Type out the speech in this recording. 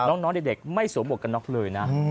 น้องเด็กไม่สวมหวกกันน็อกเลยนะ